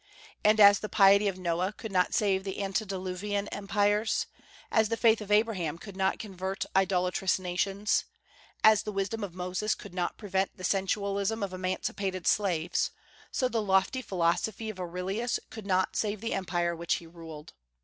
And as the piety of Noah could not save the antediluvian empires, as the faith of Abraham could not convert idolatrous nations, as the wisdom of Moses could not prevent the sensualism of emancipated slaves, so the lofty philosophy of Aurelius could not save the Empire which he ruled.